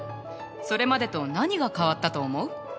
それまでと何が変わったと思う？